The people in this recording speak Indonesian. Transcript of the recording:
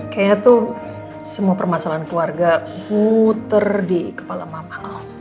kayaknya tuh semua permasalahan keluarga puter di kepala mama